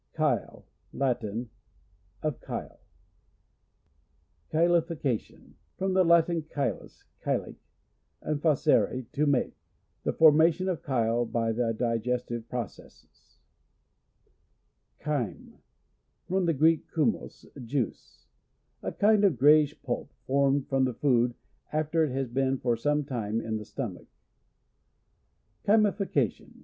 Chyli. — Latin. Of Chyle. Ciiyi.ification. — From the Latin, chy lus, chyle, and facere, to make. The formation of chyle by the di gestive processes. Chyme. — From the Greek, chumos, juice. A kind of grayish pulp, formed from the f>od after it has been for some time in the stomach. Chy.mikication.